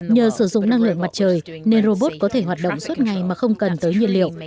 nhờ sử dụng năng lượng mặt trời nên robot có thể hoạt động suốt ngày mà không cần tới nhiên liệu